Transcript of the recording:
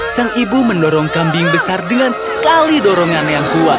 sang ibu mendorong kambing besar dengan sekali dorongan yang kuat